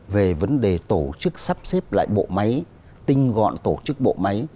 về vấn đề tổ chức sắp xếp lại bộ máy tinh gọn tổ chức bộ máy